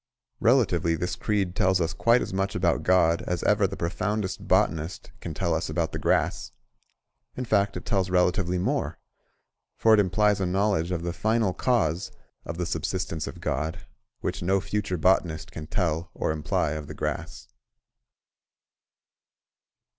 Relatively this creed tells us quite as much about God as ever the profoundest botanist can tell us about the grass; in fact, it tells relatively more, for it implies a knowledge of the Final Cause of the subsistence of God, which no future botanist can tell or imply of the grass.